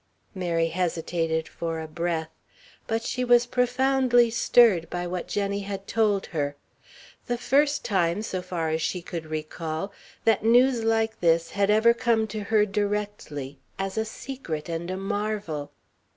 Mary hesitated for a breath. But she was profoundly stirred by what Jenny had told her the first time, so far as she could recall, that news like this had ever come to her directly, as a secret and a marvel.